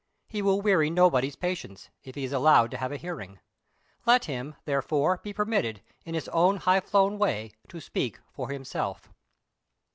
He will weary nobody's patience, if he is allowed to have a hearing. Let him, therefore, be permitted, in his own high flown way, to speak for himself.